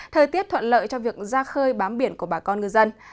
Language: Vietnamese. thời tiết thuận lợi cho việc ra khơi bám biển của bà con ngư dân